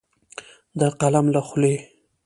د قلم له خولې